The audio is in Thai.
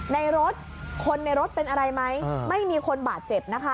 ในรถคนในรถเป็นอะไรไหมไม่มีคนบาดเจ็บนะคะ